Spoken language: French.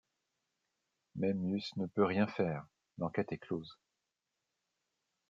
Memmius ne peut rien faire, l'enquête est close.